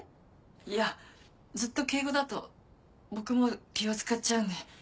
いやずっと敬語だと僕も気を使っちゃうんで。